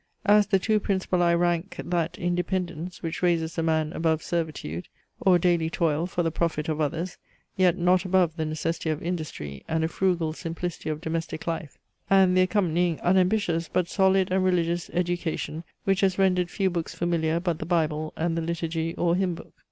As the two principal I rank that independence, which raises a man above servitude, or daily toil for the profit of others, yet not above the necessity of industry and a frugal simplicity of domestic life; and the accompanying unambitious, but solid and religious, education, which has rendered few books familiar, but the Bible, and the Liturgy or Hymn book.